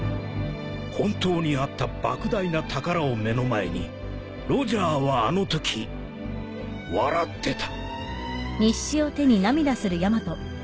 ［本当にあった莫大な宝を目の前にロジャーはあのとき笑ってた］